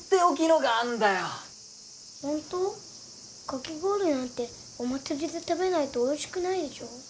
かき氷なんてお祭りで食べないとおいしくないでしょ？